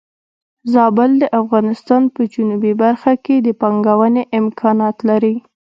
زابل د افغانستان په جنوبی برخه کې د پانګونې امکانات لري.